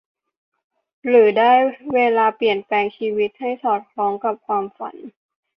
หรือได้เวลาเปลี่ยนแปลงชีวิตให้สอดคล้องกับความฝัน